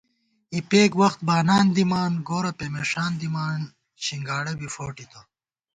اِپېک وخت بانان دِامان گورہ پېمېݭان دِمان، شنگاڑہ بی فوٹِتہ